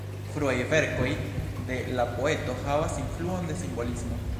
Fruaj verkoj de la poeto havas influon de simbolismo.